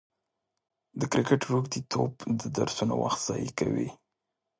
د کرکټ روږديتوب د درسونو وخت ضايع کوي.